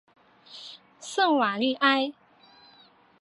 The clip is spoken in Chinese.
圣瓦利埃。